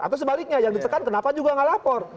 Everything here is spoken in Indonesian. atau sebaliknya yang ditekan kenapa juga nggak lapor